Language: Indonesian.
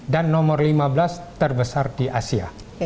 dan nomor lima belas terbesar di asia